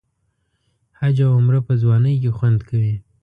حج او عمره په ځوانۍ کې خوند کوي.